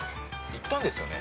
行ってるんですよね？